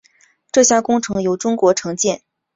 这项工程由中国承建。